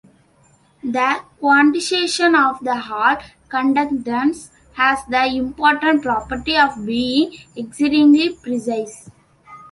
The quantization of the Hall conductance has the important property of being exceedingly precise.